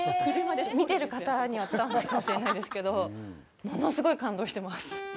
見てる方には伝わんないかもしれないですけど物すごい感動してます。